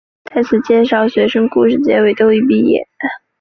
在此介绍的学生故事结尾都已毕业。